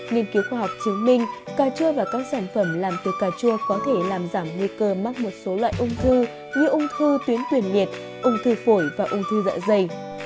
nghiên cứu khoa học chứng minh cà chua và các sản phẩm làm từ cà chua có thể làm giảm nguy cơ mắc một số loại ung thư như ung thư tuyến tuyển việt ung thư phổi và ung thư dạ dày